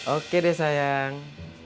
oke deh sayang